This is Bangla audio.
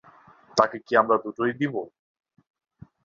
তাকে কি আমরা দুটোই দিবো?